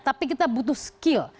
tapi kita butuh skill